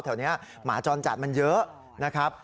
แถวนี้หมาจรจัดมันเยอะนะครับ